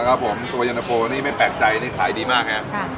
นะครับผมตัวยันตะโปรนี้ไม่แปลกใจนี่ขายดีมากฮะค่ะ